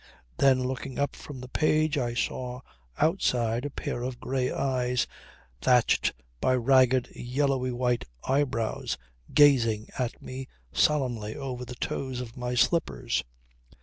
Then looking up from the page I saw outside a pair of grey eyes thatched by ragged yellowy white eyebrows gazing at me solemnly over the toes of my slippers.